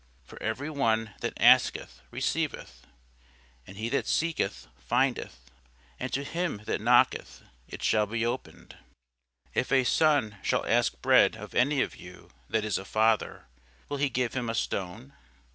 For every one that asketh receiveth; and he that seeketh findeth; and to him that knocketh it shall be opened. If a son shall ask bread of any of you that is a father, will he give him a stone?